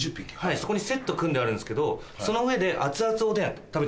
そこにセット組んであるんですけどその上で熱々おでん食べて。